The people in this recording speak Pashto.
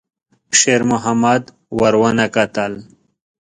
شېرمحمد ور ونه کتل.